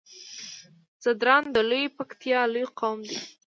ځدراڼ د لويې پکتيا لوی قوم دی